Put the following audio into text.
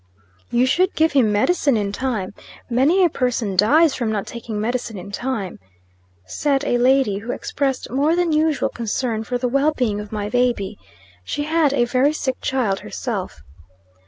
"You should give him medicine in time. Many a person dies from not taking medicine in time;" said a lady who expressed more than usual concern for the well being of my baby. She had a very sick child herself.